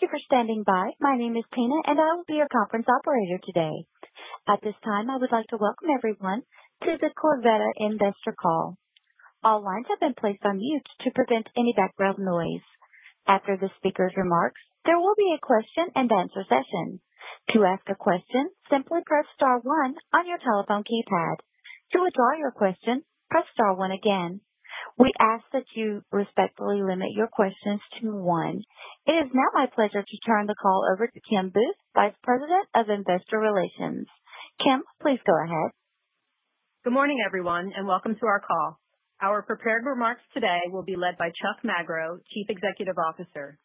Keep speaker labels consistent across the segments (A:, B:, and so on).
A: Thank you for standing by. My name is Tina, and I will be your conference operator today. At this time, I would like to welcome everyone to the Corteva Investor Call. All lines have been placed on mute to prevent any background noise. After the speaker's remarks, there will be a question-and-answer session. To ask a question, simply press star one on your telephone keypad. To withdraw your question, press star one again. We ask that you respectfully limit your questions to one. It is now my pleasure to turn the call over to Kim Booth, Vice President of Investor Relations. Kim, please go ahead.
B: Good morning, everyone, and welcome to our call. Our prepared remarks today will be led by Chuck Magro, Chief Executive Officer.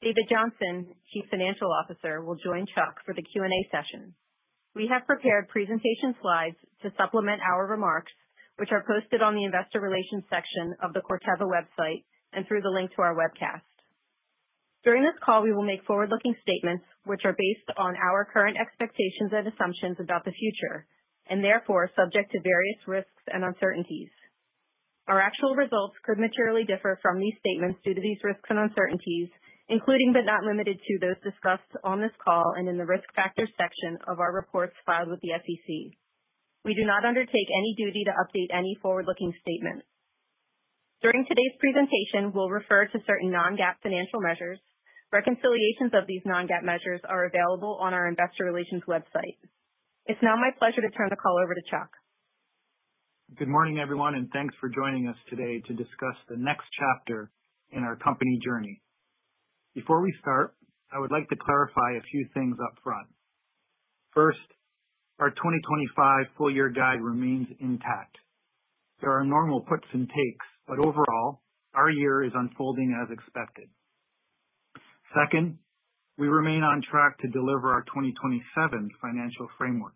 B: David Johnson, Chief Financial Officer, will join Chuck for the Q&A session. We have prepared presentation slides to supplement our remarks, which are posted on the Investor Relations section of the Corteva website and through the link to our webcast. During this call, we will make forward-looking statements which are based on our current expectations and assumptions about the future, and therefore subject to various risks and uncertainties. Our actual results could materially differ from these statements due to these risks and uncertainties, including but not limited to those discussed on this call and in the risk factors section of our reports filed with the SEC. We do not undertake any duty to update any forward-looking statements. During today's presentation, we'll refer to certain non-GAAP financial measures. Reconciliations of these non-GAAP measures are available on our Investor Relations website. It's now my pleasure to turn the call over to Chuck.
C: Good morning, everyone, and thanks for joining us today to discuss the next chapter in our company journey. Before we start, I would like to clarify a few things upfront. First, our 2025 full-year guide remains intact. There are normal puts and takes, but overall, our year is unfolding as expected. Second, we remain on track to deliver our 2027 financial framework.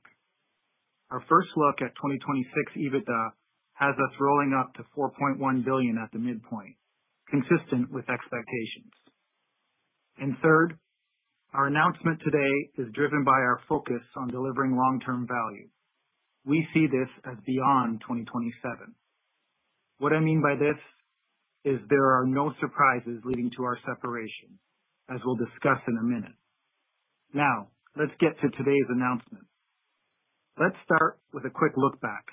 C: Our first look at 2026 EBITDA has us rolling up to $4.1 billion at the midpoint, consistent with expectations, and third, our announcement today is driven by our focus on delivering long-term value. We see this as beyond 2027. What I mean by this is there are no surprises leading to our separation, as we'll discuss in a minute. Now, let's get to today's announcement. Let's start with a quick look back.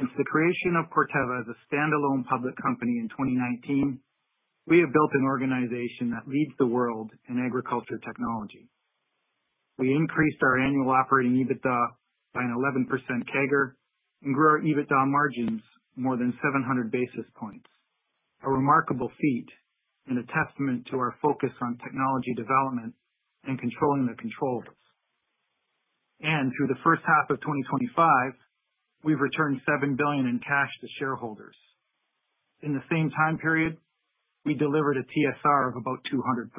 C: Since the creation of Corteva as a standalone public company in 2019, we have built an organization that leads the world in agriculture technology. We increased our annual operating EBITDA by an 11% CAGR and grew our EBITDA margins more than 700 basis points, a remarkable feat and a testament to our focus on technology development and controlling the controls. And through H1 of 2025, we've returned $7 billion in cash to shareholders. In the same time period, we delivered a TSR of about 200%.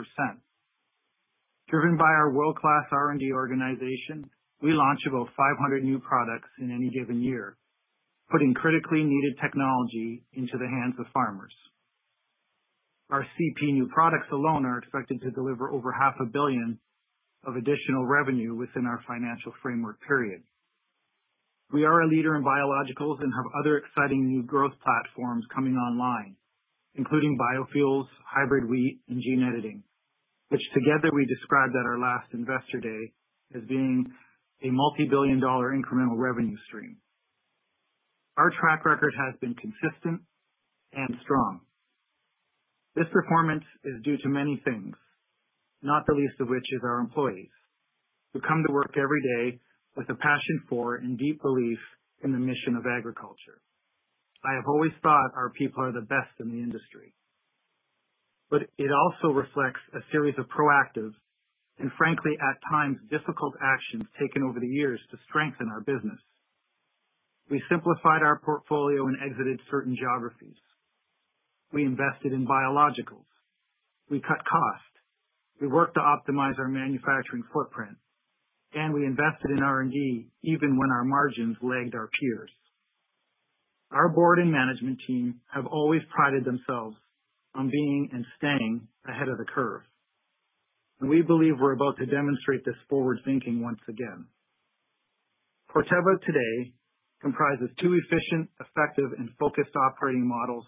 C: Driven by our world-class R&D organization, we launch about 500 new products in any given year, putting critically needed technology into the hands of farmers. Our CP new products alone are expected to deliver over $500 million of additional revenue within our financial framework period. We are a leader in biologicals and have other exciting new growth platforms coming online, including biofuels, hybrid wheat, and gene editing, which together we described at our last investor day as being a multi-billion-dollar incremental revenue stream. Our track record has been consistent and strong. This performance is due to many things, not the least of which is our employees, who come to work every day with a passion for and deep belief in the mission of agriculture. I have always thought our people are the best in the industry. But it also reflects a series of proactive and, frankly, at times difficult actions taken over the years to strengthen our business. We simplified our portfolio and exited certain geographies. We invested in biologicals. We cut costs. We worked to optimize our manufacturing footprint, and we invested in R&D even when our margins lagged our peers. Our board and management team have always prided themselves on being and staying ahead of the curve. And we believe we're about to demonstrate this forward thinking once again. Corteva today comprises two efficient, effective, and focused operating models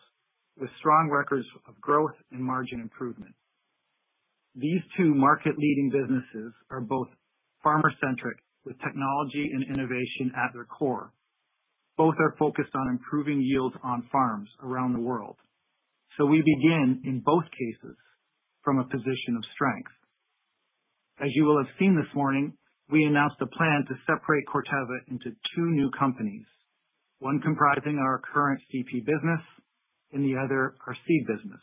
C: with strong records of growth and margin improvement. These two market-leading businesses are both farmer-centric with technology and innovation at their core. Both are focused on improving yields on farms around the world. So we begin, in both cases, from a position of strength. As you will have seen this morning, we announced a plan to separate Corteva into two new companies, one comprising our current CP business and the other our seed business.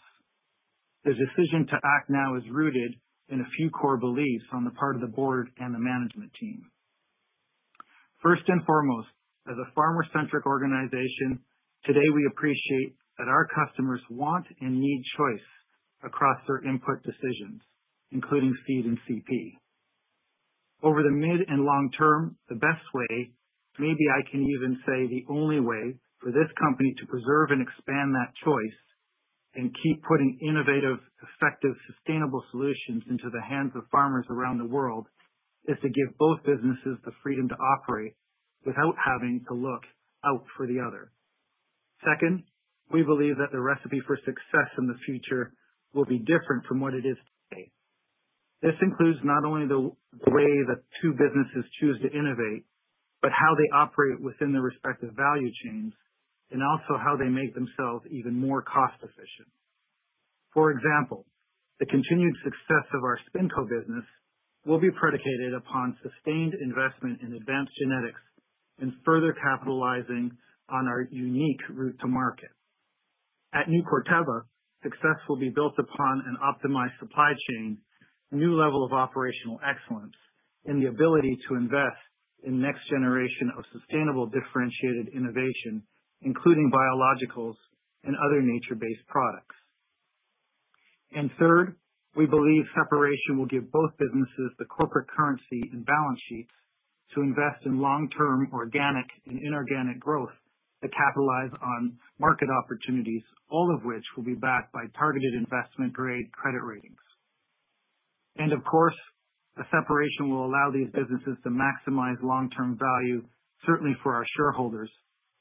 C: The decision to act now is rooted in a few core beliefs on the part of the board and the management team. First and foremost, as a farmer-centric organization, today we appreciate that our customers want and need choice across their input decisions, including seed and CP. Over the mid and long term, the best way, maybe I can even say the only way for this company to preserve and expand that choice and keep putting innovative, effective, sustainable solutions into the hands of farmers around the world is to give both businesses the freedom to operate without having to look out for the other. Second, we believe that the recipe for success in the future will be different from what it is today. This includes not only the way the two businesses choose to innovate, but how they operate within their respective value chains and also how they make themselves even more cost-efficient. For example, the continued success of our SpinCo business will be predicated upon sustained investment in advanced genetics and further capitalizing on our unique route to market. At New Corteva, success will be built upon an optimized supply chain, a new level of operational excellence, and the ability to invest in the next generation of sustainable differentiated innovation, including biologicals and other nature-based products. And third, we believe separation will give both businesses the corporate currency and balance sheets to invest in long-term organic and inorganic growth to capitalize on market opportunities, all of which will be backed by targeted investment-grade credit ratings. And of course, a separation will allow these businesses to maximize long-term value, certainly for our shareholders,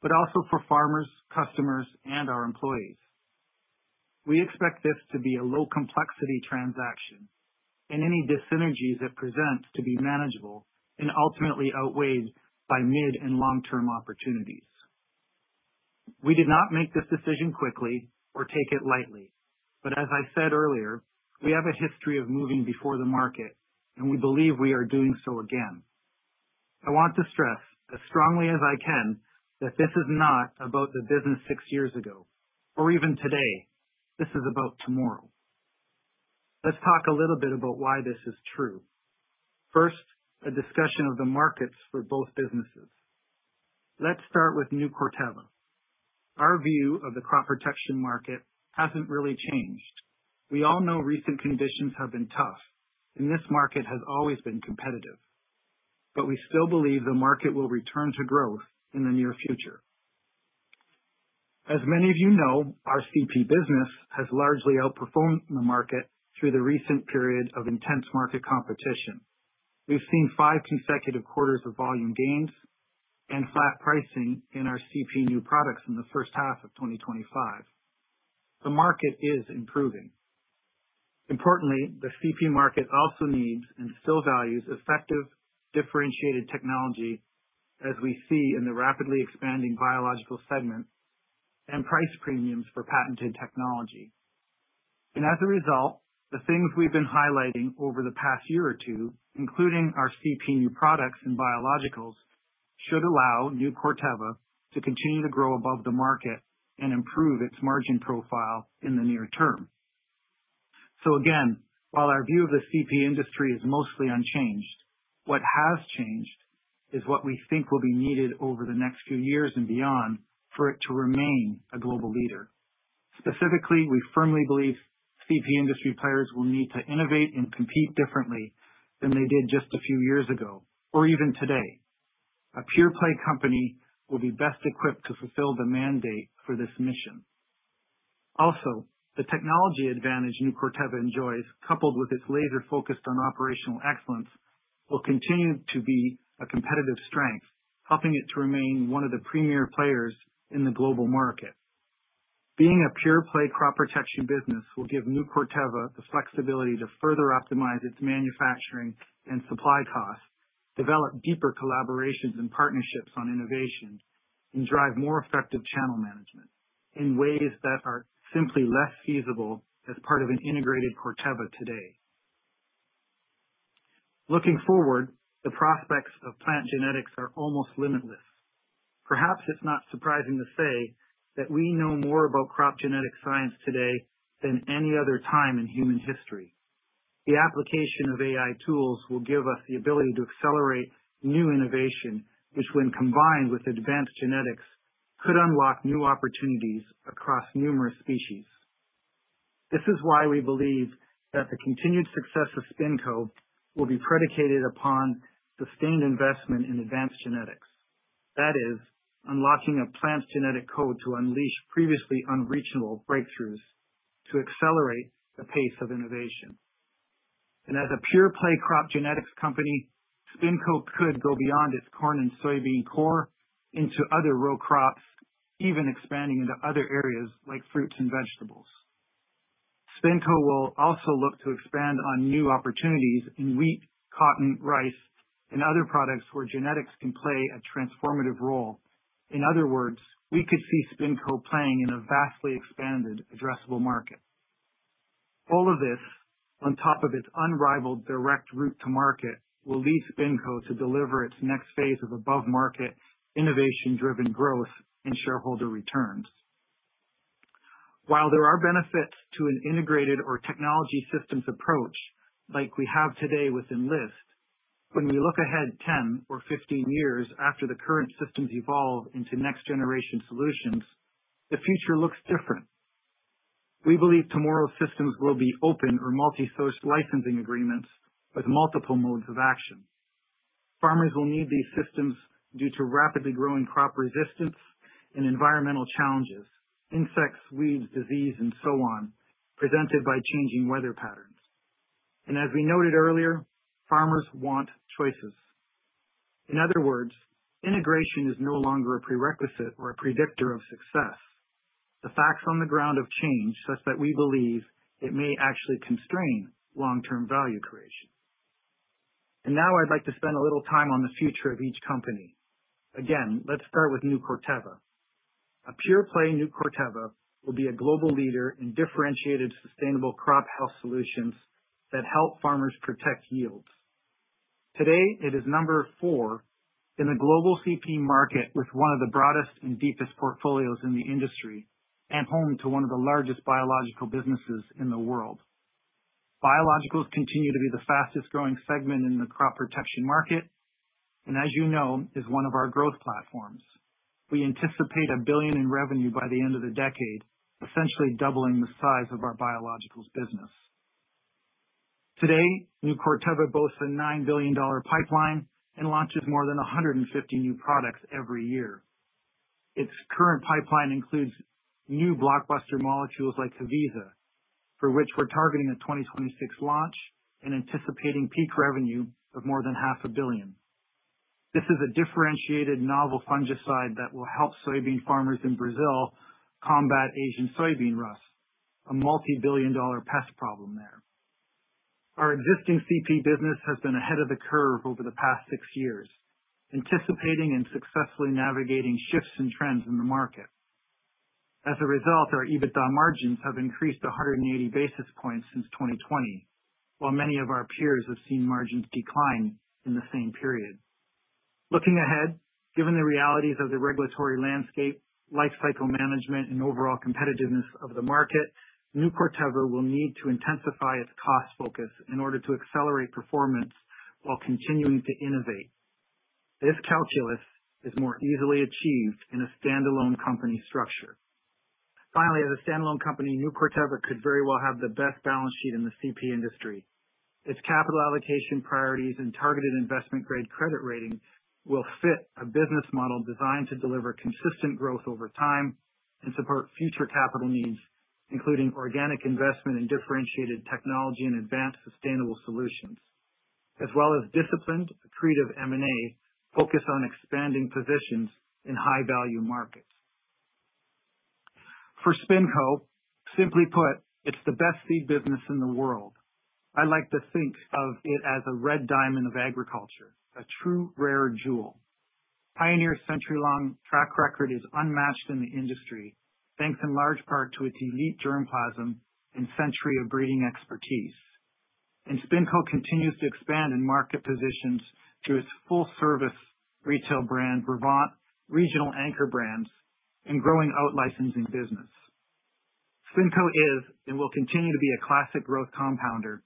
C: but also for farmers, customers, and our employees. We expect this to be a low-complexity transaction, and any dis-synergies that present to be manageable and ultimately outweighed by mid and long-term opportunities. We did not make this decision quickly or take it lightly. But as I said earlier, we have a history of moving before the market, and we believe we are doing so again. I want to stress, as strongly as I can, that this is not about the business six years ago or even today. This is about tomorrow. Let's talk a little bit about why this is true. First, a discussion of the markets for both businesses. Let's start with new Corteva. Our view of the crop protection market hasn't really changed. We all know recent conditions have been tough, and this market has always been competitive. But we still believe the market will return to growth in the near future. As many of you know, our CP business has largely outperformed the market through the recent period of intense market competition. We've seen five consecutive quarters of volume gains and flat pricing in our CP new products in H2 of 2025. The market is improving. Importantly, the CP market also needs and still values effective differentiated technology, as we see in the rapidly expanding biological segment and price premiums for patented technology, and as a result, the things we've been highlighting over the past year or two, including our CP new products and biologicals, should allow new Corteva to continue to grow above the market and improve its margin profile in the near term. So again, while our view of the CP industry is mostly unchanged, what has changed is what we think will be needed over the next few years and beyond for it to remain a global leader. Specifically, we firmly believe CP industry players will need to innovate and compete differently than they did just a few years ago or even today. A pure-play company will be best equipped to fulfill the mandate for this mission. Also, the technology advantage new Corteva enjoys, coupled with its laser focus on operational excellence, will continue to be a competitive strength, helping it to remain one of the premier players in the global market. Being a pure-play crop protection business will give new Corteva the flexibility to further optimize its manufacturing and supply costs, develop deeper collaborations and partnerships on innovation, and drive more effective channel management in ways that are simply less feasible as part of an integrated Corteva today. Looking forward, the prospects of plant genetics are almost limitless. Perhaps it's not surprising to say that we know more about crop genetic science today than any other time in human history. The application of AI tools will give us the ability to accelerate new innovation, which, when combined with advanced genetics, could unlock new opportunities across numerous species. This is why we believe that the continued success of SpinCo will be predicated upon sustained investment in advanced genetics. That is, unlocking a plant genetic code to unleash previously unreachable breakthroughs to accelerate the pace of innovation. As a pure-play crop genetics company, SpinCo could go beyond its corn and soybean core into other row crops, even expanding into other areas like fruits and vegetables. SpinCo will also look to expand on new opportunities in wheat, cotton, rice, and other products where genetics can play a transformative role. In other words, we could see SpinCo playing in a vastly expanded addressable market. All of this, on top of its unrivaled direct route to market, will lead SpinCo to deliver its next phase of above-market innovation-driven growth and shareholder returns. While there are benefits to an integrated or technology systems approach like we have today within Enlist, when we look ahead 10 or 15 years after the current systems evolve into next-generation solutions, the future looks different. We believe tomorrow's systems will be open or multi-source licensing agreements with multiple modes of action. Farmers will need these systems due to rapidly growing crop resistance and environmental challenges, insects, weeds, disease, and so on, presented by changing weather patterns, and as we noted earlier, farmers want choices. In other words, integration is no longer a prerequisite or a predictor of success. The facts on the ground have changed such that we believe it may actually constrain long-term value creation, and now I'd like to spend a little time on the future of each company. Again, let's start with new Corteva. A pure-play new Corteva will be a global leader in differentiated sustainable crop health solutions that help farmers protect yields. Today, it is number four in the global CP market with one of the broadest and deepest portfolios in the industry and home to one of the largest biological businesses in the world. Biologicals continue to be the fastest-growing segment in the crop protection market and, as you know, is one of our growth platforms. We anticipate $1 billion in revenue by the end of the decade, essentially doubling the size of our biologicals business. Today, new Corteva boasts a $9 billion pipeline and launches more than 150 new products every year. Its current pipeline includes new blockbuster molecules like Haviza, for which we're targeting a 2026 launch and anticipating peak revenue of more than $500 million. This is a differentiated novel fungicide that will help soybean farmers in Brazil combat Asian soybean rust, a multi-billion-dollar pest problem there. Our existing CP business has been ahead of the curve over the past six years, anticipating and successfully navigating shifts and trends in the market. As a result, our EBITDA margins have increased 180 basis points since 2020, while many of our peers have seen margins decline in the same period. Looking ahead, given the realities of the regulatory landscape, life cycle management, and overall competitiveness of the market, new Corteva will need to intensify its cost focus in order to accelerate performance while continuing to innovate. This calculus is more easily achieved in a standalone company structure. Finally, as a standalone company, new Corteva could very well have the best balance sheet in the CP industry. Its capital allocation priorities and targeted investment-grade credit rating will fit a business model designed to deliver consistent growth over time and support future capital needs, including organic investment in differentiated technology and advanced sustainable solutions, as well as disciplined, accretive M&A focused on expanding positions in high-value markets. For SpinCo, simply put, it's the best seed business in the world. I'd like to think of it as a red diamond of agriculture, a true rare jewel. Pioneer's century-long track record is unmatched in the industry, thanks in large part to its elite germplasm and century of breeding expertise. And SpinCo continues to expand in market positions through its full-service retail brand Brevant, regional anchor brands, and growing out licensing business. SpinCo is and will continue to be a classic growth compounder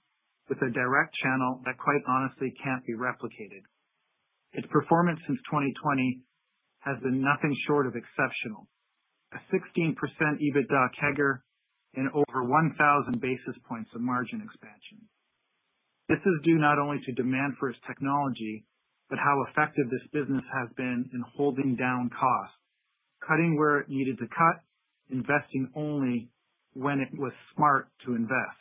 C: with a direct channel that, quite honestly, can't be replicated. Its performance since 2020 has been nothing short of exceptional, a 16% EBITDA CAGR and over 1,000 basis points of margin expansion. This is due not only to demand for its technology, but how effective this business has been in holding down costs, cutting where it needed to cut, investing only when it was smart to invest.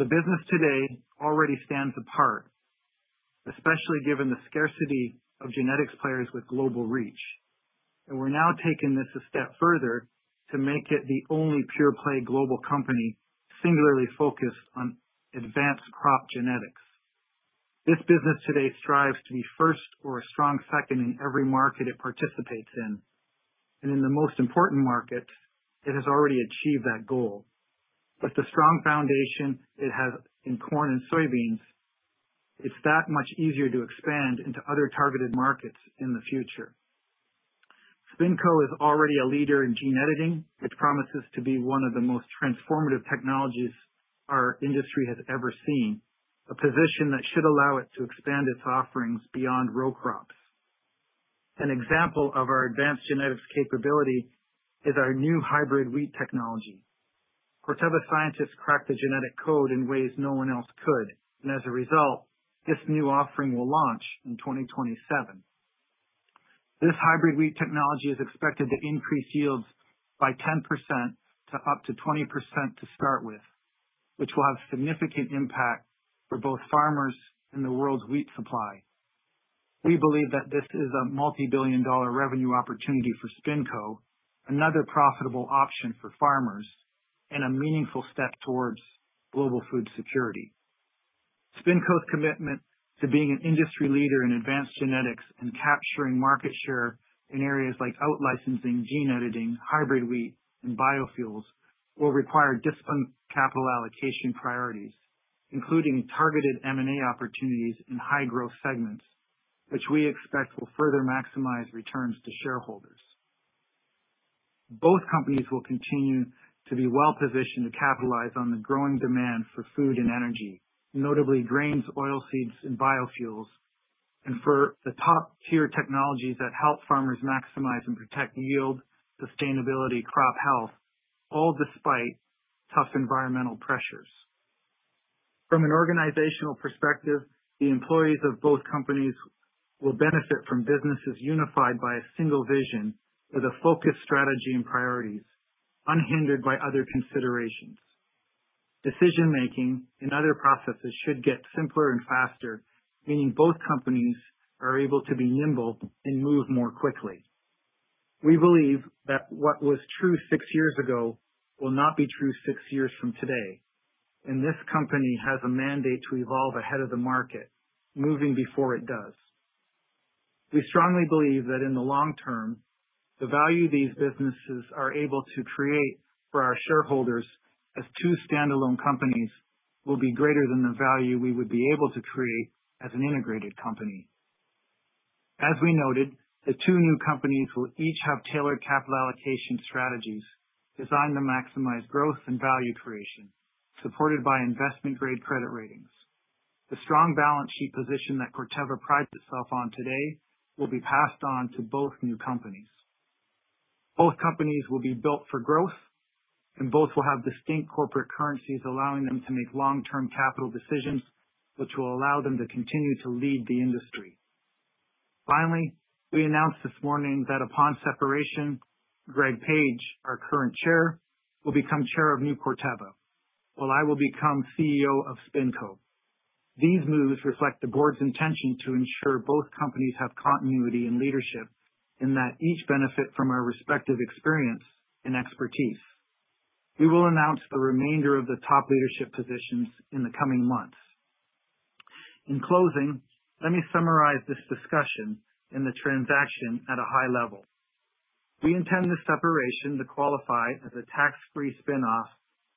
C: The business today already stands apart, especially given the scarcity of genetics players with global reach. We're now taking this a step further to make it the only pure-play global company singularly focused on advanced crop genetics. This business today strives to be first or a strong second in every market it participates in. In the most important markets, it has already achieved that goal. With the strong foundation it has in corn and soybeans, it's that much easier to expand into other targeted markets in the future. SpinCo is already a leader in gene editing, which promises to be one of the most transformative technologies our industry has ever seen, a position that should allow it to expand its offerings beyond row crops. An example of our advanced genetics capability is our new hybrid wheat technology. Corteva scientists cracked the genetic code in ways no one else could. And as a result, this new offering will launch in 2027. This hybrid wheat technology is expected to increase yields by 10% to up to 20% to start with, which will have significant impact for both farmers and the world's wheat supply. We believe that this is a multi-billion-dollar revenue opportunity for SpinCo, another profitable option for farmers, and a meaningful step towards global food security. SpinCo's commitment to being an industry leader in advanced genetics and capturing market share in areas like out licensing, gene editing, hybrid wheat, and biofuels will require disciplined capital allocation priorities, including targeted M&A opportunities in high-growth segments, which we expect will further maximize returns to shareholders. Both companies will continue to be well-positioned to capitalize on the growing demand for food and energy, notably grains, oilseeds, and biofuels, and for the top-tier technologies that help farmers maximize and protect yield, sustainability, and crop health, all despite tough environmental pressures. From an organizational perspective, the employees of both companies will benefit from businesses unified by a single vision with a focused strategy and priorities unhindered by other considerations. Decision-making and other processes should get simpler and faster, meaning both companies are able to be nimble and move more quickly. We believe that what was true six years ago will not be true six years from today, and this company has a mandate to evolve ahead of the market, moving before it does. We strongly believe that in the long term, the value these businesses are able to create for our shareholders as two standalone companies will be greater than the value we would be able to create as an integrated company. As we noted, the two new companies will each have tailored capital allocation strategies designed to maximize growth and value creation, supported by investment-grade credit ratings. The strong balance sheet position that Corteva prides itself on today will be passed on to both new companies. Both companies will be built for growth, and both will have distinct corporate currencies, allowing them to make long-term capital decisions, which will allow them to continue to lead the industry. Finally, we announced this morning that upon separation, Greg Page, our current chair, will become chair of new Corteva, while I will become CEO of SpinCo. These moves reflect the board's intention to ensure both companies have continuity in leadership in that each benefit from our respective experience and expertise. We will announce the remainder of the top leadership positions in the coming months. In closing, let me summarize this discussion and the transaction at a high level. We intend this separation to qualify as a tax-free spinoff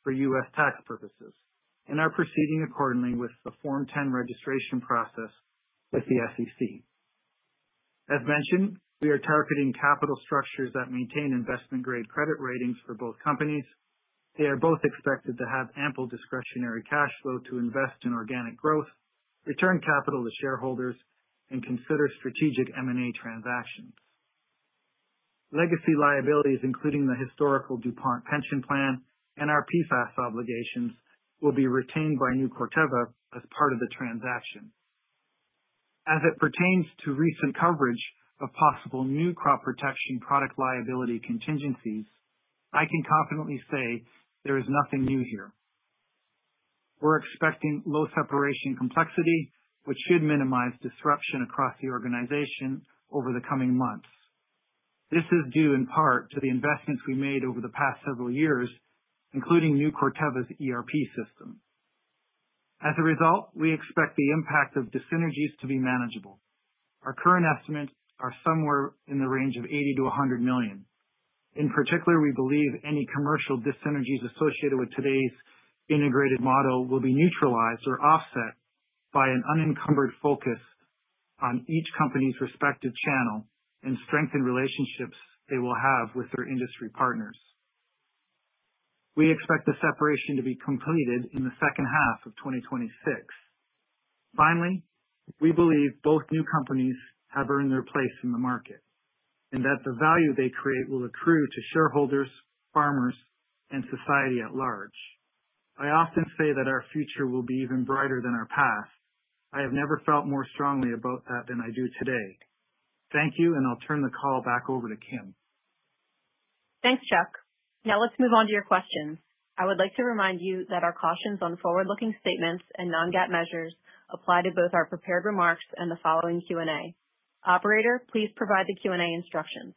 C: for U.S. tax purposes, and are proceeding accordingly with the Form 10 registration process with the SEC. As mentioned, we are targeting capital structures that maintain investment-grade credit ratings for both companies. They are both expected to have ample discretionary cash flow to invest in organic growth, return capital to shareholders, and consider strategic M&A transactions. Legacy liabilities, including the historical DuPont pension plan and our PFAS obligations, will be retained by new Corteva as part of the transaction. As it pertains to recent coverage of possible new crop protection product liability contingencies, I can confidently say there is nothing new here. We're expecting low separation complexity, which should minimize disruption across the organization over the coming months. This is due in part to the investments we made over the past several years, including new Corteva ERP system. As a result, we expect the impact of dis-synergies to be manageable. Our current estimates are somewhere in the range of $80 million-$100 million. In particular, we believe any commercial dis-synergies associated with today's integrated model will be neutralized or offset by an unencumbered focus on each company's respective channel and strengthened relationships they will have with their industry partners. We expect the separation to be completed in H2 of 2026. Finally, we believe both new companies have earned their place in the market and that the value they create will accrue to shareholders, farmers, and society at large. I often say that our future will be even brighter than our past. I have never felt more strongly about that than I do today. Thank you, and I'll turn the call back over to Kim.
B: Thanks, Chuck. Now let's move on to your questions. I would like to remind you that our cautions on forward-looking statements and non-GAAP measures apply to both our prepared remarks and the following Q&A. Operator, please provide the Q&A instructions.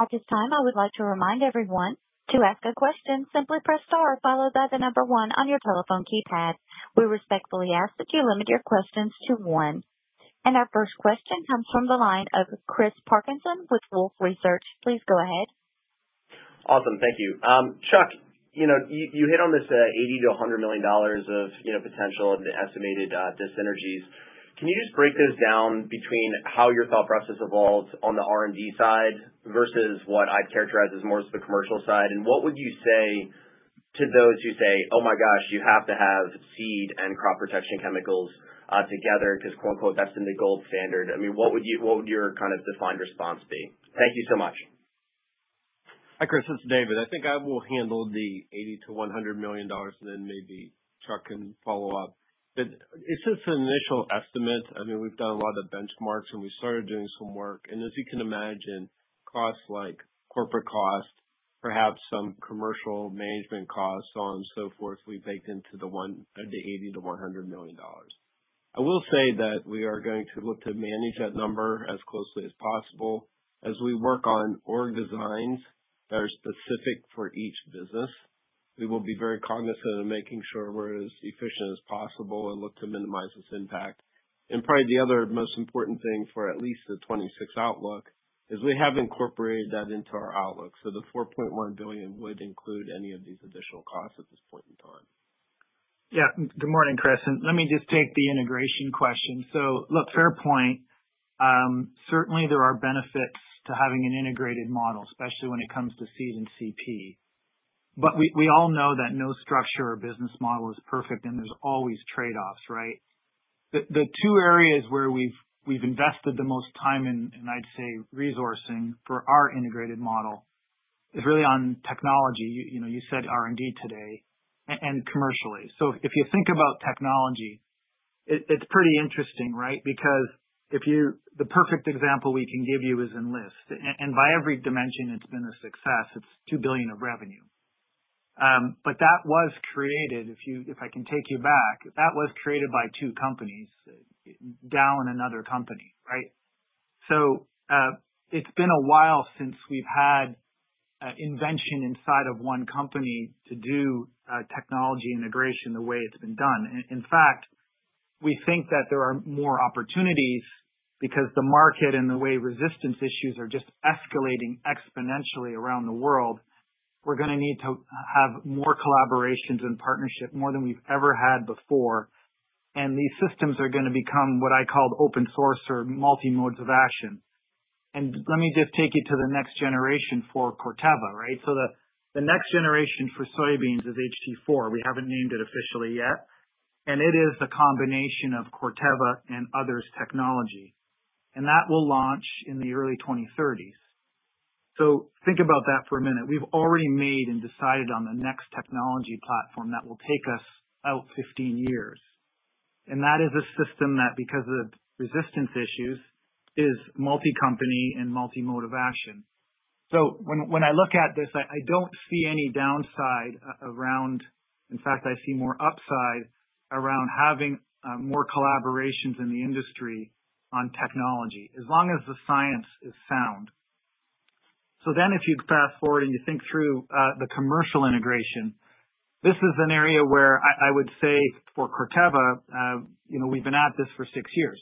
A: At this time, I would like to remind everyone to ask a question. Simply press star followed by the number one on your telephone keypad. We respectfully ask that you limit your questions to one. And our first question comes from the line of Chris Parkinson with Wolfe Research. Please go ahead.
D: Awesome. Thank you. Chuck, you hit on this $80 million-$100 million of potential and the estimated dis-synergies. Can you just break those down between how your thought process evolves on the R&D side versus what I'd characterize as more of the commercial side? And what would you say to those who say, "Oh my gosh, you have to have seed and crop protection chemicals together because, quote-unquote, that's in the gold standard"? I mean, what would your kind of defined response be? Thank you so much.
E: Hi, Chris. It's David. I think I will handle the $80 million-$100 million, and then maybe Chuck can follow up. It's just an initial estimate. I mean, we've done a lot of benchmarks, and we started doing some work. And as you can imagine, costs like corporate costs, perhaps some commercial management costs, so on and so forth, we baked into the $80-100 million. I will say that we are going to look to manage that number as closely as possible as we work on org designs that are specific for each business. We will be very cognizant of making sure we're as efficient as possible and look to minimize this impact. And probably the other most important thing for at least the 2026 outlook is we have incorporated that into our outlook. So the $4.1 billion would include any of these additional costs at this point in time.
C: Yeah. Good morning, Chris. And let me just take the integration question. So look, fair point. Certainly, there are benefits to having an integrated model, especially when it comes to seed and CP. But we all know that no structure or business model is perfect, and there's always trade-offs, right? The two areas where we've invested the most time in, and I'd say resourcing for our integrated model is really on technology. You said R&D today and commercially. So if you think about technology, it's pretty interesting, right? Because the perfect example we can give you is Enlist. And by every dimension, it's been a success. It's $2 billion of revenue. But that was created, if I can take you back, that was created by two companies, Dow and another company, right? So it's been a while since we've had invention inside of one company to do technology integration the way it's been done. In fact, we think that there are more opportunities because the market and the way resistance issues are just escalating exponentially around the world. We're going to need to have more collaborations and partnerships more than we've ever had before. And these systems are going to become what I called open source or multi-modes of action. And let me just take you to the next generation for Corteva, right? So the next generation for soybeans is HT4. We haven't named it officially yet. And it is the combination of Corteva and others' technology. And that will launch in the early 2030s. So think about that for a minute. We've already made and decided on the next technology platform that will take us out 15 years. And that is a system that, because of resistance issues, is multi-company and multi-mode of action. So when I look at this, I don't see any downside around. In fact, I see more upside around having more collaborations in the industry on technology as long as the science is sound. So then if you fast forward and you think through the commercial integration, this is an area where I would say for Corteva, we've been at this for six years,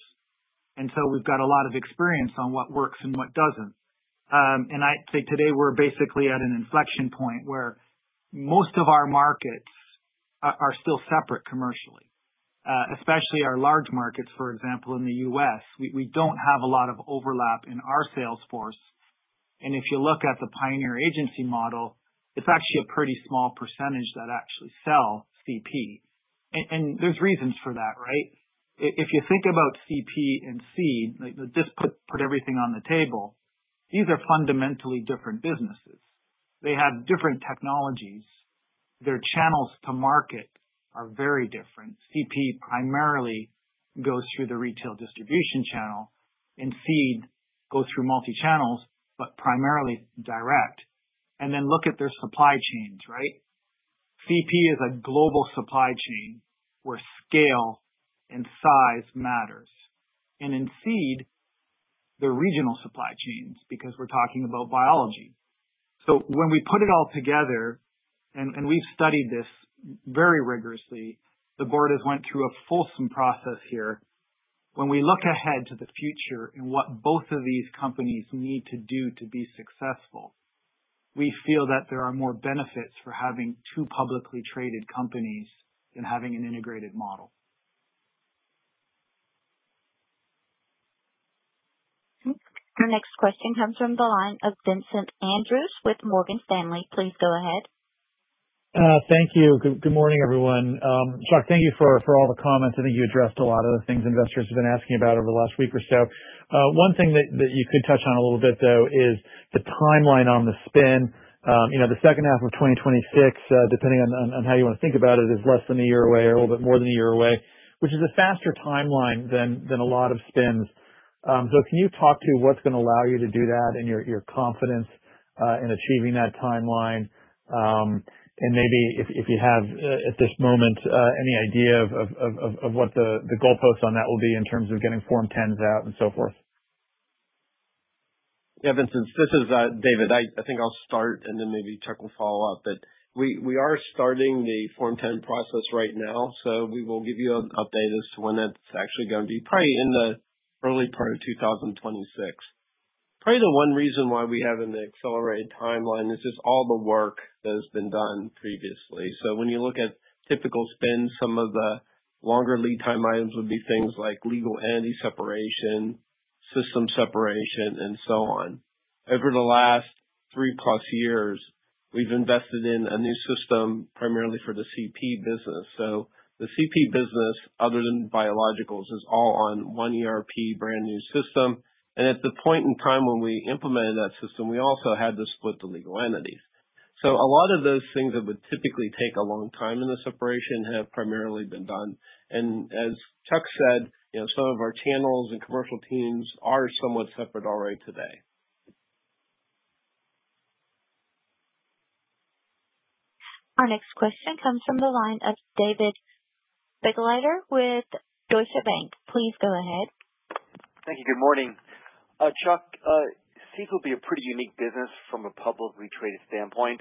C: so we've got a lot of experience on what works and what doesn't. And I'd say today we're basically at an inflection point where most of our markets are still separate commercially, especially our large markets, for example, in the U.S. We don't have a lot of overlap in our sales force. And if you look at the Pioneer agency model, it's actually a pretty small percentage that actually sell CP. And there's reasons for that, right? If you think about CP and seed, just put everything on the table, these are fundamentally different businesses. They have different technologies. Their channels to market are very different. CP primarily goes through the retail distribution channel, and seed goes through multi-channels, but primarily direct. And then look at their supply chains, right? CP is a global supply chain where scale and size matters. And in seed, they're regional supply chains because we're talking about biology. So when we put it all together, and we've studied this very rigorously, the board has went through a fulsome process here. When we look ahead to the future and what both of these companies need to do to be successful, we feel that there are more benefits for having two publicly traded companies than having an integrated model.
A: Our next question comes from the line of Vincent Andrews with Morgan Stanley. Please go ahead.
F: Thank you. Good morning, everyone. Chuck, thank you for all the comments. I think you addressed a lot of the things investors have been asking about over the last week or so. One thing that you could touch on a little bit, though, is the timeline on the spin. H2 of 2026, depending on how you want to think about it, is less than a year away or a little bit more than a year away, which is a faster timeline than a lot of spins. So can you talk to what's going to allow you to do that and your confidence in achieving that timeline? And maybe if you have, at this moment, any idea of what the goalposts on that will be in terms of getting Form 10s out and so forth.
E: Yeah, Vincent, this is David. I think I'll start, and then maybe Chuck will follow up. But we are starting the Form 10 process right now. So we will give you an update as to when that's actually going to be, probably in the early part of 2026. Probably the one reason why we have an accelerated timeline is just all the work that has been done previously. So when you look at typical spins, some of the longer lead time items would be things like legal entity separation, system separation, and so on. Over the last three-plus years, we've invested in a new system primarily for the CP business. So the CP business, other than biologicals, is all on one ERP brand new system. And at the point in time when we implemented that system, we also had to split the legal entities. So a lot of those things that would typically take a long time in the separation have primarily been done. And as Chuck said, some of our channels and commercial teams are somewhat separate already today.
A: Our next question comes from the line of David Begleiter with Deutsche Bank. Please go ahead.
G: Thank you. Good morning. Chuck, seed will be a pretty unique business from a publicly traded standpoint.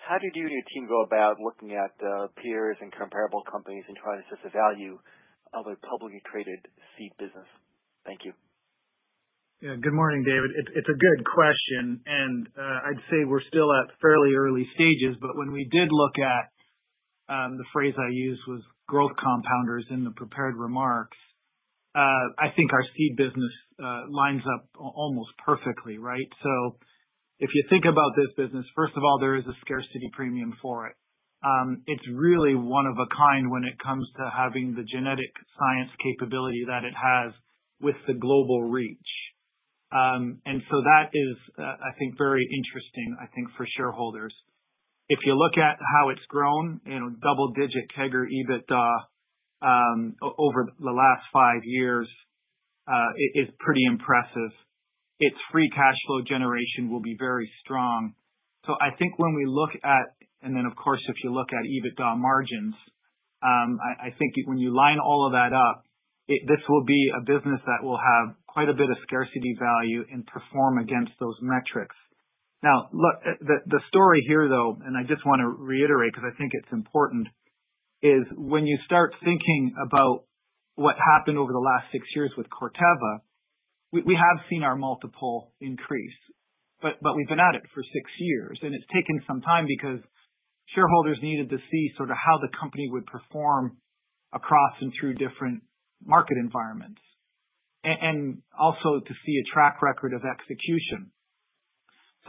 G: How did you and your team go about looking at peers and comparable companies and trying to assess the value of a publicly traded seed business? Thank you.
C: Yeah. Good morning, David. It's a good question, and I'd say we're still at fairly early stages. But when we did look at the phrase I used was growth compounders in the prepared remarks, I think our seed business lines up almost perfectly, right? So if you think about this business, first of all, there is a scarcity premium for it. It's really one of a kind when it comes to having the genetic science capability that it has with the global reach. And so that is, I think, very interesting, I think, for shareholders. If you look at how it's grown, double-digit CAGR EBITDA over the last five years is pretty impressive. Its free cash flow generation will be very strong. So I think when we look at, and then, of course, if you look at EBITDA margins, I think when you line all of that up, this will be a business that will have quite a bit of scarcity value and perform against those metrics. Now, look, the story here, though, and I just want to reiterate because I think it's important, is when you start thinking about what happened over the last six years with Corteva. We have seen our multiple increase, but we've been at it for six years, and it's taken some time because shareholders needed to see sort of how the company would perform across and through different market environments and also to see a track record of execution.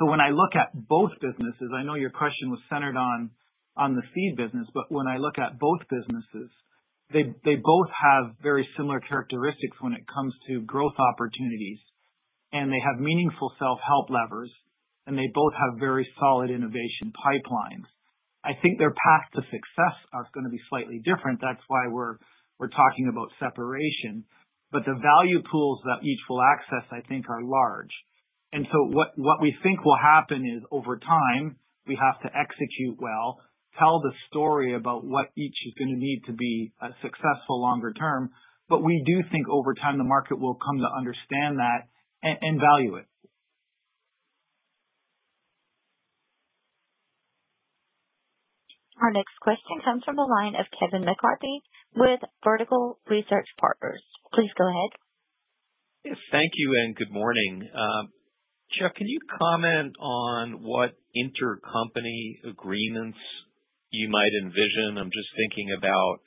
C: So when I look at both businesses, I know your question was centered on the seed business, but when I look at both businesses, they both have very similar characteristics when it comes to growth opportunities. And they have meaningful self-help levers. And they both have very solid innovation pipelines. I think their path to success is going to be slightly different. That's why we're talking about separation. But the value pools that each will access, I think, are large. And so what we think will happen is over time, we have to execute well, tell the story about what each is going to need to be a successful longer term. But we do think over time, the market will come to understand that and value it.
A: Our next question comes from the line of Kevin McCarthy with Vertical Research Partners. Please go ahead.
H: Thank you and good morning. Chuck, can you comment on what intercompany agreements you might envision? I'm just thinking about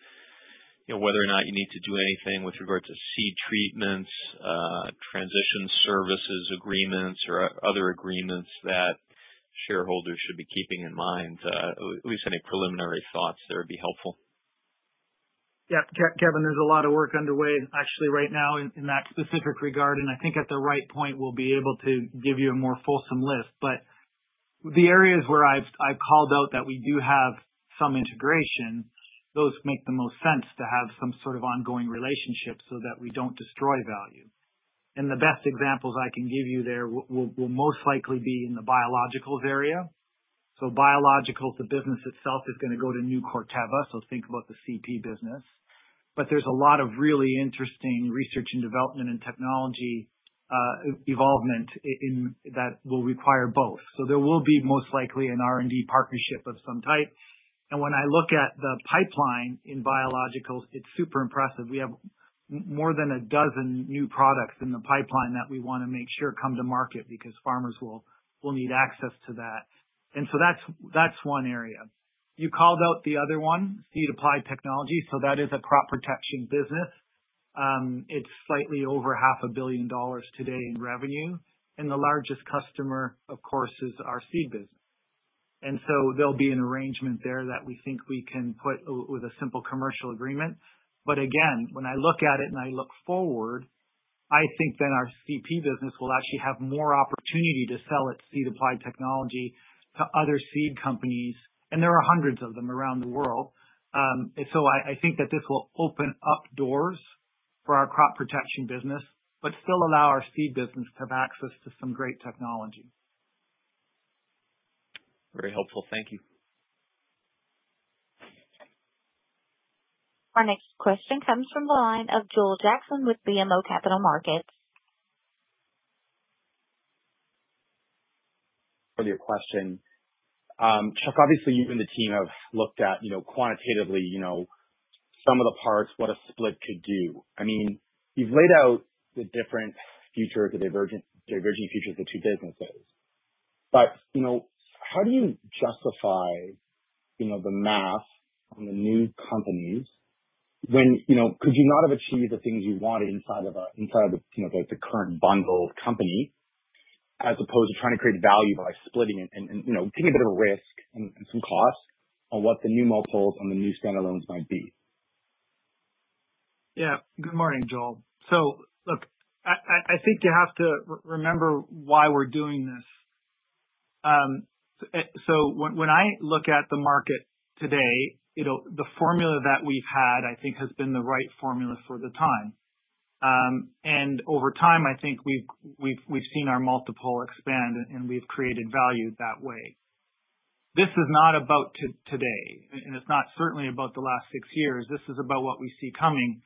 H: whether or not you need to do anything with regard to seed treatments, transition services agreements, or other agreements that shareholders should be keeping in mind. At least any preliminary thoughts there would be helpful.
C: Yeah. Kevin, there's a lot of work underway, actually, right now in that specific regard. And I think at the right point, we'll be able to give you a more fulsome Enlist. But the areas where I've called out that we do have some integration, those make the most sense to have some sort of ongoing relationship so that we don't destroy value. And the best examples I can give you there will most likely be in the biologicals area. So biologicals, the business itself is going to go to new Corteva, so think about the CP business. But there's a lot of really interesting research and development and technology evolvement that will require both. So there will be most likely an R&D partnership of some type. And when I look at the pipeline in biologicals, it's super impressive. We have more than a dozen new products in the pipeline that we want to make sure come to market because farmers will need access to that. And so that's one area. You called out the other one, Seed Applied Technology. So that is a crop protection business. It's slightly over $500 million today in revenue. And the largest customer, of course, is our seed business. And so there'll be an arrangement there that we think we can put with a simple commercial agreement. But again, when I look at it and I look forward, I think then our CP business will actually have more opportunity to sell its Seed Applied Technology to other seed companies. And there are hundreds of them around the world. So I think that this will open up doors for our crop protection business, but still allow our seed business to have access to some great technology.
H: Very helpful. Thank you.
A: Our next question comes from the line of Joel Jackson with BMO Capital Markets.
I: Further question. Chuck, obviously, you and the team have looked at quantitatively some of the parts, what a split could do. I mean, you've laid out the different futures or diverging futures of the two businesses. But how do you justify the math on the new companies when could you not have achieved the things you wanted inside of the current bundled company as opposed to trying to create value by splitting and taking a bit of risk and some costs on what the new multiples on the new standalones might be?
C: Yeah. Good morning, Joel. So look, I think you have to remember why we're doing this. So when I look at the market today, the formula that we've had, I think, has been the right formula for the time. And over time, I think we've seen our multiple expand, and we've created value that way. This is not about today. And it's not certainly about the last six years. This is about what we see coming.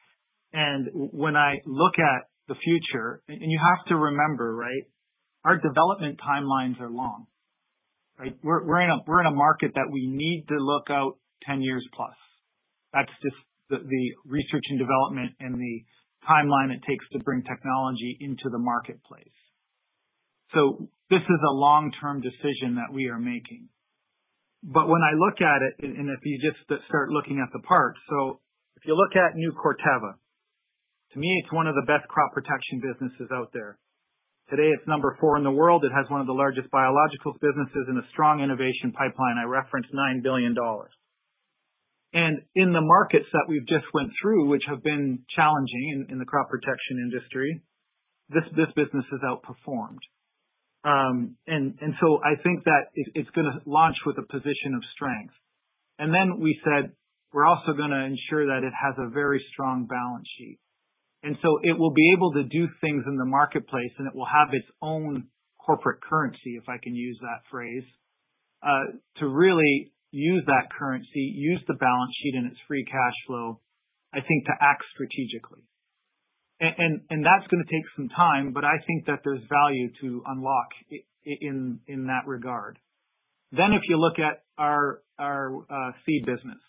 C: And when I look at the future, and you have to remember, right, our development timelines are long. We're in a market that we need to look out 10 years plus. That's just the research and development and the timeline it takes to bring technology into the marketplace. So this is a long-term decision that we are making. But when I look at it, and if you just start looking at the parts, so if you look at new Corteva, to me, it's one of the best crop protection businesses out there. Today, it's number four in the world. It has one of the largest biologicals businesses and a strong innovation pipeline. I referenced $9 billion. And in the markets that we've just went through, which have been challenging in the crop protection industry, this business has outperformed. And so I think that it's going to launch with a position of strength. And then we said, we're also going to ensure that it has a very strong balance sheet. And so it will be able to do things in the marketplace, and it will have its own corporate currency, if I can use that phrase, to really use that currency, use the balance sheet and its free cash flow, I think, to act strategically. And that's going to take some time, but I think that there's value to unlock in that regard. Then if you look at our seed business,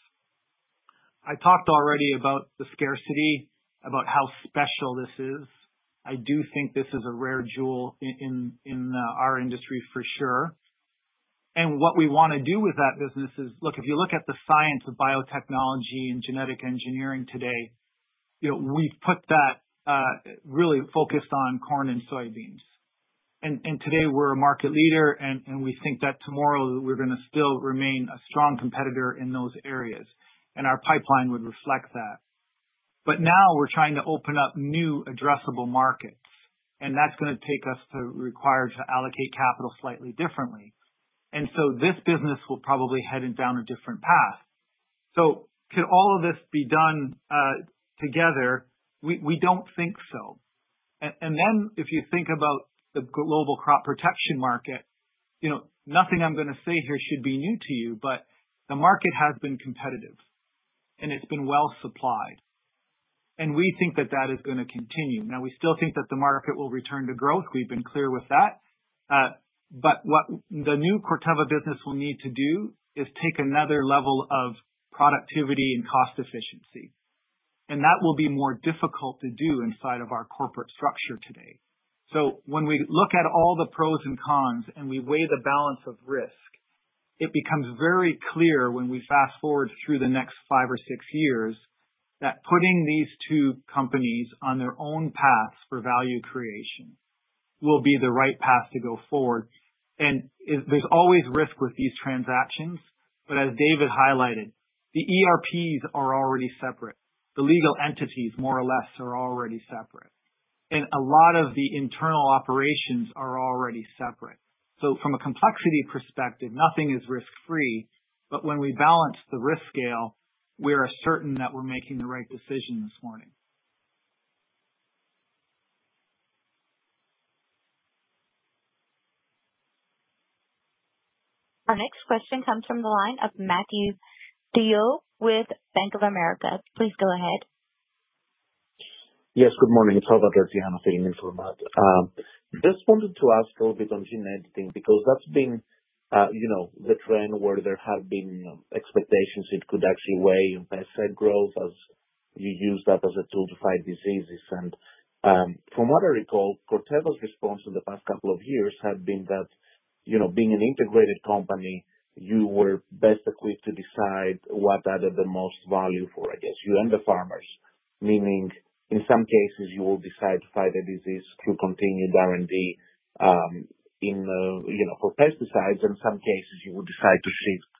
C: I talked already about the scarcity, about how special this is. I do think this is a rare jewel in our industry for sure. And what we want to do with that business is, look, if you look at the science of biotechnology and genetic engineering today, we've put that really focused on corn and soybeans. And today, we're a market leader, and we think that tomorrow, we're going to still remain a strong competitor in those areas. Our pipeline would reflect that. But now we're trying to open up new addressable markets. And that's going to take us to require to allocate capital slightly differently. And so this business will probably head down a different path. So could all of this be done together? We don't think so. And then if you think about the global crop protection market, nothing I'm going to say here should be new to you, but the market has been competitive, and it's been well supplied. And we think that that is going to continue. Now, we still think that the market will return to growth. We've been clear with that. But what the new Corteva business will need to do is take another level of productivity and cost efficiency. And that will be more difficult to do inside of our corporate structure today. So when we look at all the pros and cons and we weigh the balance of risk, it becomes very clear when we fast forward through the next five or six years that putting these two companies on their own paths for value creation will be the right path to go forward. And there's always risk with these transactions. But as David highlighted, the ERPs are already separate. The legal entities, more or less, are already separate. And a lot of the internal operations are already separate. So from a complexity perspective, nothing is risk-free. But when we balance the risk scale, we are certain that we're making the right decision this morning.
A: Our next question comes from the line of Matthew DeYoe with Bank of America. Please go ahead.
J: Yes. Good morning. It's Robert Garcia speaking for him. Just wanted to ask a little bit on gene editing because that's been the trend where there have been expectations it could actually weigh on best seed growth as you use that as a tool to fight diseases. And from what I recall, Corteva's response in the past couple of years had been that being an integrated company, you were best equipped to decide what added the most value for, I guess, you and the farmers. Meaning in some cases, you will decide to fight a disease through continued R&D for pesticides. In some cases, you will decide to shift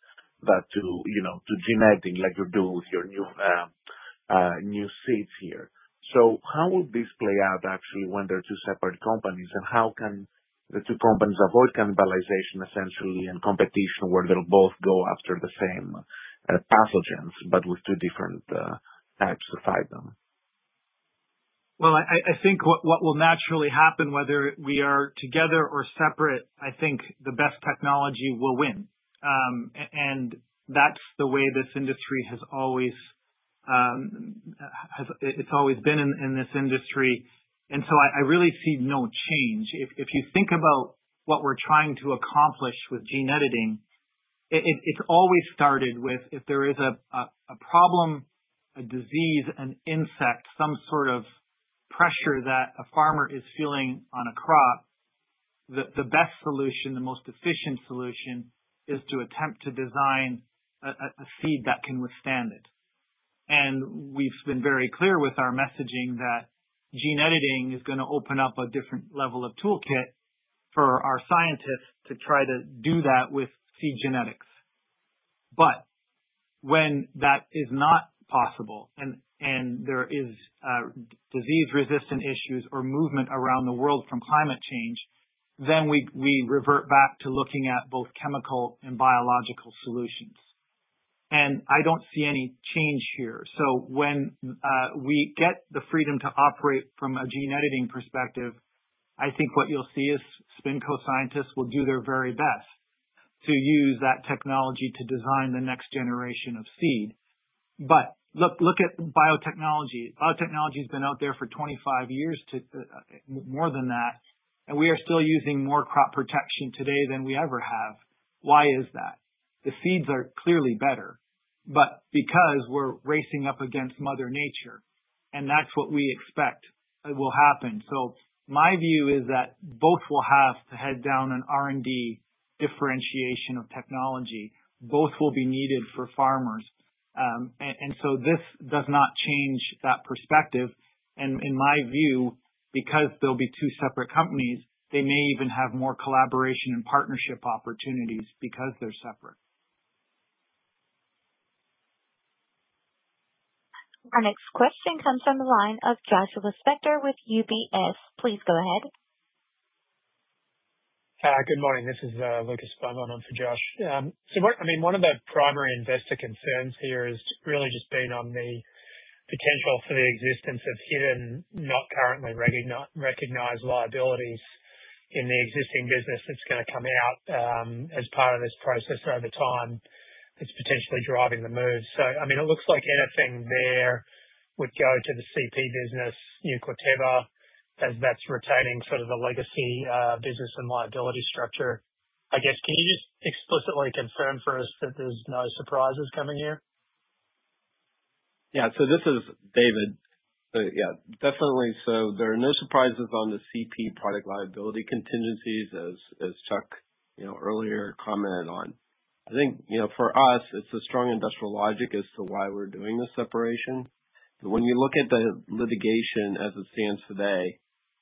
J: that to gene editing like you're doing with your new seeds here. So how would this play out actually when they're two separate companies? How can the two companies avoid cannibalization essentially and competition where they'll both go after the same pathogens, but with two different types to fight them?
C: I think what will naturally happen, whether we are together or separate, I think the best technology will win. That's the way this industry has always been. I really see no change. If you think about what we're trying to accomplish with gene editing, it's always started with if there is a problem, a disease, an insect, some sort of pressure that a farmer is feeling on a crop, the best solution, the most efficient solution is to attempt to design a seed that can withstand it. We've been very clear with our messaging that gene editing is going to open up a different level of toolkit for our scientists to try to do that with seed genetics. But when that is not possible and there are disease-resistant issues or movement around the world from climate change, then we revert back to looking at both chemical and biological solutions. And I don't see any change here. So when we get the freedom to operate from a gene editing perspective, I think what you'll see is SpinCo scientists will do their very best to use that technology to design the next generation of seed. But look at biotechnology. Biotechnology has been out there for 25 years, more than that. And we are still using more crop protection today than we ever have. Why is that? The seeds are clearly better, but because we're racing up against Mother Nature. And that's what we expect will happen. So my view is that both will have to head down an R&D differentiation of technology. Both will be needed for farmers. And so this does not change that perspective. And in my view, because there'll be two separate companies, they may even have more collaboration and partnership opportunities because they're separate.
A: Our next question comes from the line of Joshua Spector with UBS. Please go ahead.
K: Hi. Good morning. This is Lucas Beaumont for Josh. So I mean, one of the primary investor concerns here has really just been on the potential for the existence of hidden, not currently recognized liabilities in the existing business that's going to come out as part of this process over time that's potentially driving the move. So I mean, it looks like anything there would go to the CP business, new Corteva, as that's retaining sort of the legacy business and liability structure. I guess, can you just explicitly confirm for us that there's no surprises coming here?
E: Yeah. So this is David. Yeah. Definitely. So there are no surprises on the CP product liability contingencies, as Chuck earlier commented on. I think for us, it's a strong industrial logic as to why we're doing the separation. When you look at the litigation as it stands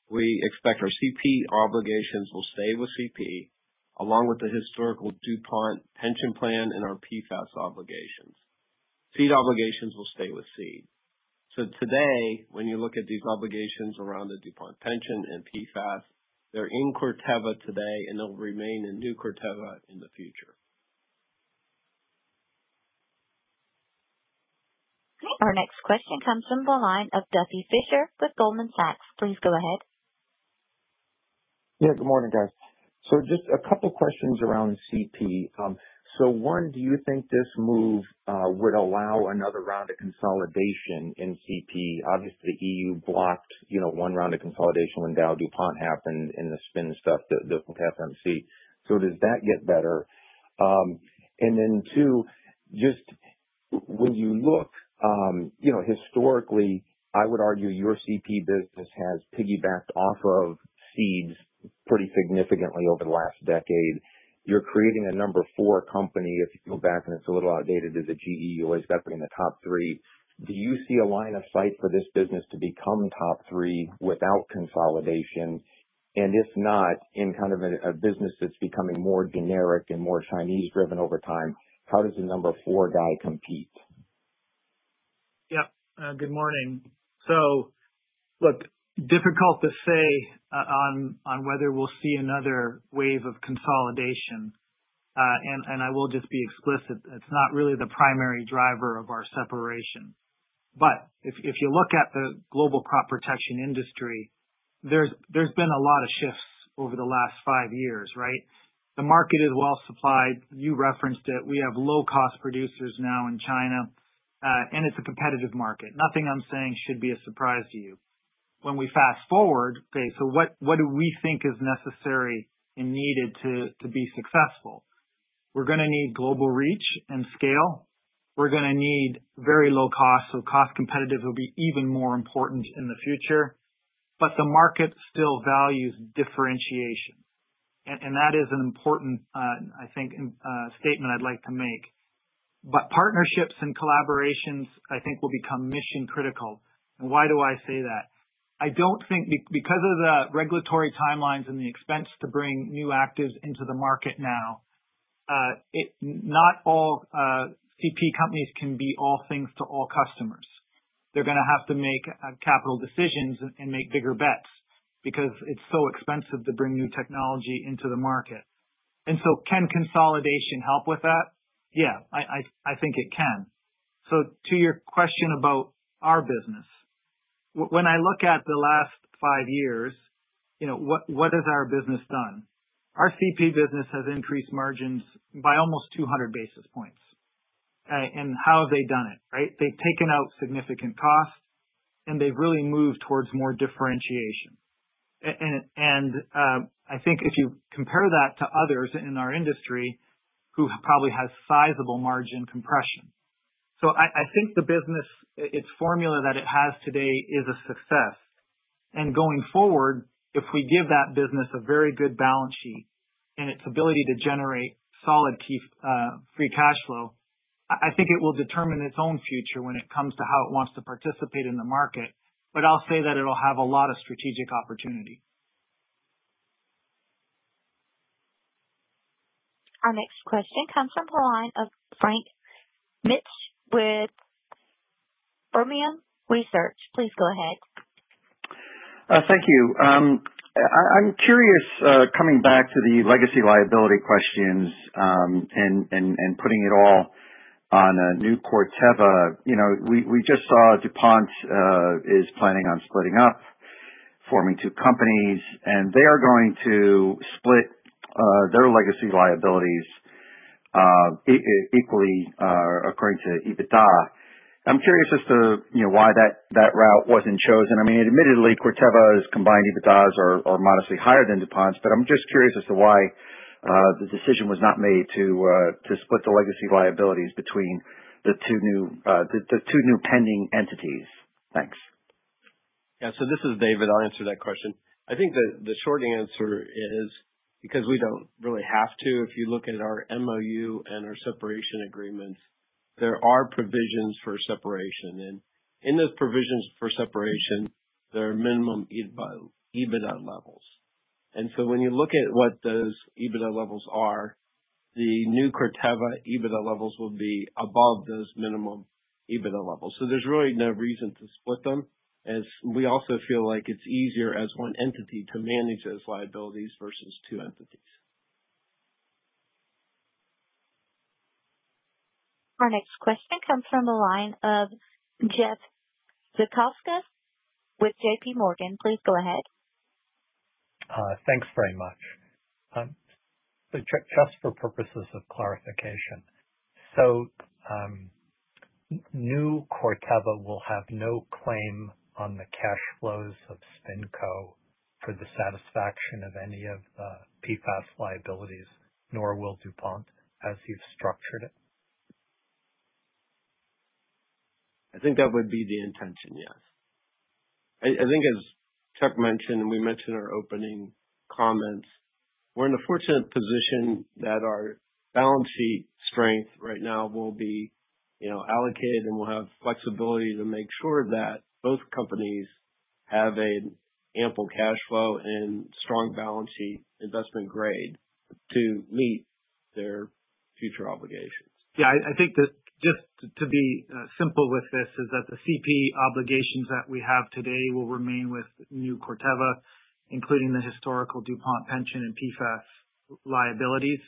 E: today, we expect our CP obligations will stay with CP along with the historical DuPont pension plan and our PFAS obligations. Seed obligations will stay with seed. So today, when you look at these obligations around the DuPont pension and PFAS, they're in Corteva today, and they'll remain in new Corteva in the future.
A: Our next question comes from the line of Duffy Fischer with Goldman Sachs. Please go ahead.
L: Yeah. Good morning, guys. So just a couple of questions around CP. So one, do you think this move would allow another round of consolidation in CP? Obviously, the EU blocked one round of consolidation when Dow DuPont happened in the spin stuff that they'll have to see. So does that get better? And then two, just when you look historically, I would argue your CP business has piggybacked off of seeds pretty significantly over the last decade. You're creating a number four company. If you go back and it's a little outdated, there's a GE you always got to bring in the top three. Do you see a line of sight for this business to become top three without consolidation? And if not, in kind of a business that's becoming more generic and more Chinese-driven over time, how does the number four guy compete?
C: Yep. Good morning. So look, difficult to say on whether we'll see another wave of consolidation. And I will just be explicit. It's not really the primary driver of our separation. But if you look at the global crop protection industry, there's been a lot of shifts over the last five years, right? The market is well supplied. You referenced it. We have low-cost producers now in China. And it's a competitive market. Nothing I'm saying should be a surprise to you. When we fast forward, okay, so what do we think is necessary and needed to be successful? We're going to need global reach and scale. We're going to need very low cost. So cost competitive will be even more important in the future. But the market still values differentiation. And that is an important, I think, statement I'd like to make. But partnerships and collaborations, I think, will become mission-critical. And why do I say that? I don't think because of the regulatory timelines and the expense to bring new actives into the market now, not all CP companies can be all things to all customers. They're going to have to make capital decisions and make bigger bets because it's so expensive to bring new technology into the market. And so can consolidation help with that? Yeah. I think it can. So to your question about our business, when I look at the last five years, what has our business done? Our CP business has increased margins by almost 200 basis points. And how have they done it, right? They've taken out significant costs, and they've really moved towards more differentiation. And I think if you compare that to others in our industry who probably have sizable margin compression. I think the business, its formula that it has today is a success. Going forward, if we give that business a very good balance sheet and its ability to generate solid free cash flow, I think it will determine its own future when it comes to how it wants to participate in the market. I'll say that it'll have a lot of strategic opportunity.
A: Our next question comes from the line of Frank Mitsch with Fermium Research. Please go ahead.
M: Thank you. I'm curious coming back to the legacy liability questions and putting it all on a new Corteva. We just saw DuPont is planning on splitting up forming two companies and they are going to split their legacy liabilities equally according to EBITDA. I'm curious as to why that route wasn't chosen. I mean, admittedly, Corteva's combined EBITDAs are modestly higher than DuPont's, but I'm just curious as to why the decision was not made to split the legacy liabilities between the two new pending entities. Thanks.
E: Yeah. So this is David. I'll answer that question. I think the short answer is because we don't really have to. If you look at our MOU and our separation agreements, there are provisions for separation, and in those provisions for separation, there are minimum EBITDA levels. And so when you look at what those EBITDA levels are, the new Corteva EBITDA levels will be above those minimum EBITDA levels. So there's really no reason to split them, and we also feel like it's easier as one entity to manage those liabilities versus two entities.
A: Our next question comes from the line of Jeff Zekauskas with JPMorgan. Please go ahead.
N: Thanks very much. Just for purposes of clarification, so new Corteva will have no claim on the cash flows of SpinCo for the satisfaction of any of the PFAS liabilities, nor will DuPont as you've structured it?
E: I think that would be the intention, yes. I think as Chuck mentioned, and we mentioned our opening comments, we're in a fortunate position that our balance sheet strength right now will be allocated, and we'll have flexibility to make sure that both companies have an ample cash flow and strong balance sheet investment grade to meet their future obligations.
C: Yeah. I think that just to be simple with this is that the CP obligations that we have today will remain with new Corteva, including the historical DuPont pension and PFAS liabilities.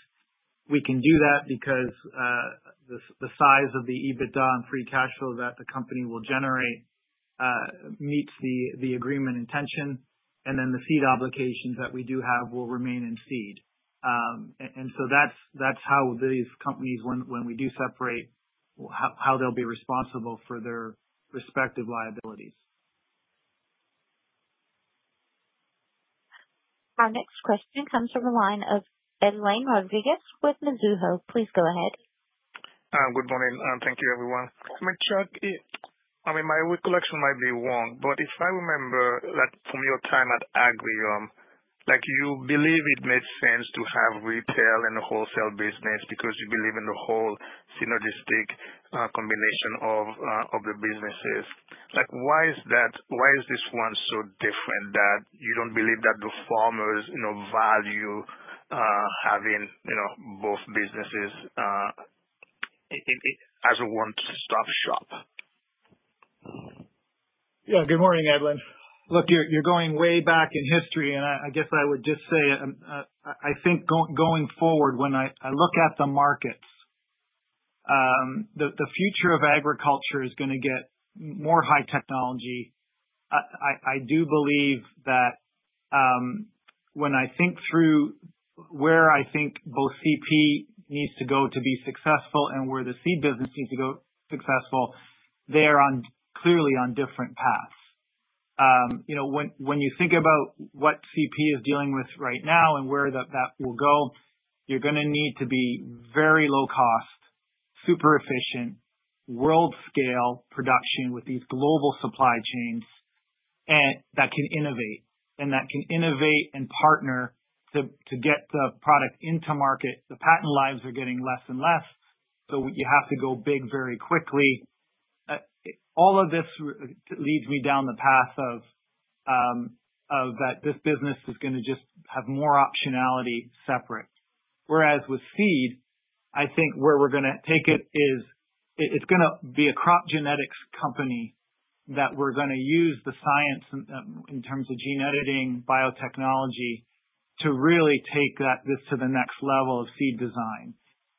C: We can do that because the size of the EBITDA and free cash flow that the company will generate meets the agreement intention. And then the seed obligations that we do have will remain in seed. And so that's how these companies, when we do separate, how they'll be responsible for their respective liabilities.
A: Our next question comes from the line of Edlain Rodriguez with Mizuho. Please go ahead.
O: Good morning. Thank you, everyone. I mean, Chuck, I mean, my recollection might be wrong, but if I remember from your time at Agrium, you believe it makes sense to have retail and wholesale business because you believe in the whole synergistic combination of the businesses. Why is this one so different that you don't believe that the farmers value having both businesses as one-stop shop?
C: Yeah. Good morning, Edlain. Look, you're going way back in history, and I guess I would just say, I think going forward, when I look at the markets, the future of agriculture is going to get more high technology. I do believe that when I think through where I think both CP needs to go to be successful and where the seed business needs to go successful, they are clearly on different paths. When you think about what CP is dealing with right now and where that will go, you're going to need to be very low-cost, super efficient, world-scale production with these global supply chains that can innovate and that can innovate and partner to get the product into market. The patent lives are getting less and less, so you have to go big very quickly. All of this leads me down the path of that this business is going to just have more optionality separate. Whereas with seed, I think where we're going to take it is it's going to be a crop genetics company that we're going to use the science in terms of gene editing, biotechnology to really take this to the next level of seed design,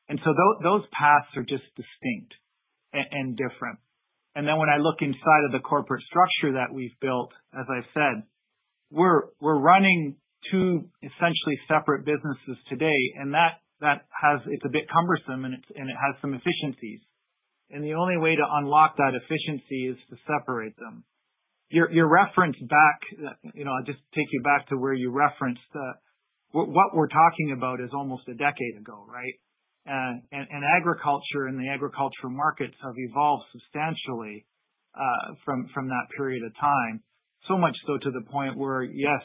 C: and so those paths are just distinct and different. And then when I look inside of the corporate structure that we've built, as I've said, we're running two essentially separate businesses today, and it's a bit cumbersome, and it has some efficiencies, and the only way to unlock that efficiency is to separate them. Your reference back, I'll just take you back to where you referenced what we're talking about is almost a decade ago, right? Agriculture and the agriculture markets have evolved substantially from that period of time, so much so to the point where, yes,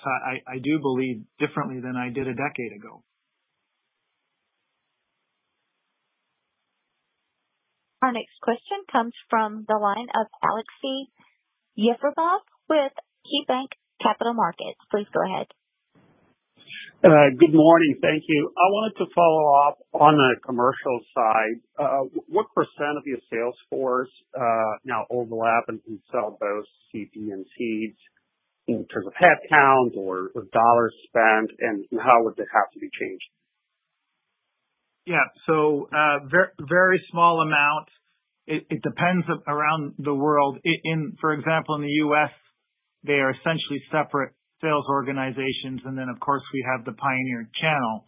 C: I do believe differently than I did a decade ago.
A: Our next question comes from the line of Aleksey Yefremov with KeyBanc Capital Markets. Please go ahead.
P: Good morning. Thank you. I wanted to follow up on the commercial side. What % of your sales force now overlap and sell both CP and seeds in terms of headcount or dollars spent, and how would that have to be changed?
C: Yeah. So very small amount. It depends around the world. For example, in the U.S., they are essentially separate sales organizations. And then, of course, we have the Pioneer channel.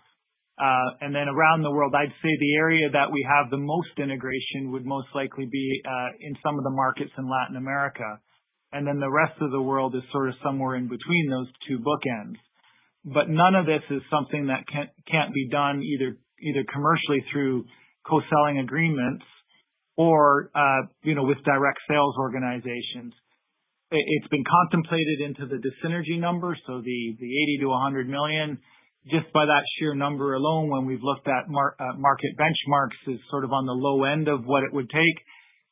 C: And then around the world, I'd say the area that we have the most integration would most likely be in some of the markets in Latin America. And then the rest of the world is sort of somewhere in between those two bookends. But none of this is something that can't be done either commercially through co-selling agreements or with direct sales organizations. It's been contemplated into the synergy number. So the $80 million-$100 million, just by that sheer number alone, when we've looked at market benchmarks, is sort of on the low end of what it would take.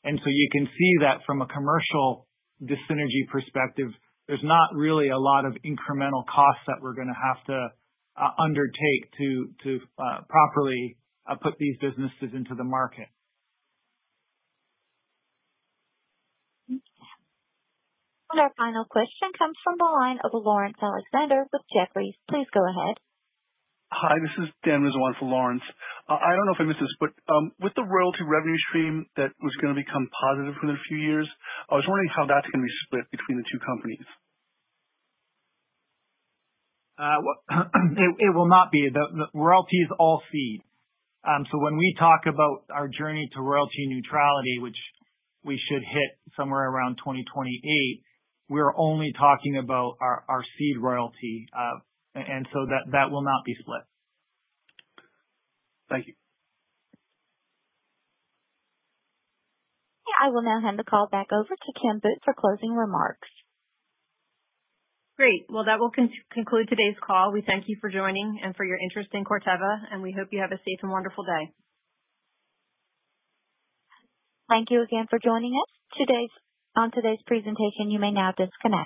C: And so you can see that from a commercial synergy perspective, there's not really a lot of incremental costs that we're going to have to undertake to properly put these businesses into the market.
A: Our final question comes from the line of Laurence Alexander with Jefferies. Please go ahead.
Q: Hi. This is Dan Rizwan on for Laurence. I don't know if I missed this, but with the royalty revenue stream that was going to become positive within a few years, I was wondering how that's going to be split between the two companies.
C: It will not be. Royalty is all seed. So when we talk about our journey to royalty neutrality, which we should hit somewhere around 2028, we're only talking about our seed royalty. And so that will not be split.
Q: Thank you.
A: Yeah. I will now hand the call back over to Kim Booth for closing remarks.
B: Great. Well, that will conclude today's call. We thank you for joining and for your interest in Corteva. And we hope you have a safe and wonderful day.
A: Thank you again for joining us. On today's presentation, you may now disconnect.